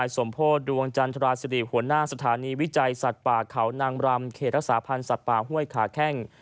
สมโพธิดวงจันทราศิริหัวหน้าสถานีวิจัยสัตว์ป่าเขานางรำเขตรักษาพันธ์สัตว์ป่าห้วยขาแข้ง